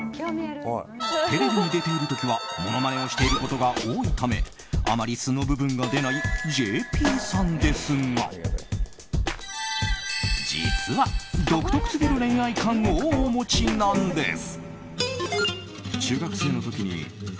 テレビに出ている時はものまねをしていることが多いためあまり素の部分が出ないＪＰさんですが実は独特すぎる恋愛観をお持ちなんです。